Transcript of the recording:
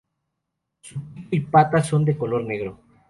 Su pico y patas son de color negro.